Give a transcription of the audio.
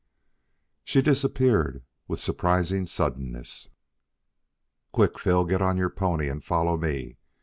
She disappeared with surprising suddenness. "Quick, Phil! Get on your pony and follow me.